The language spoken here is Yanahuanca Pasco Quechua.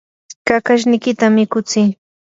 kakashniykita mikutsii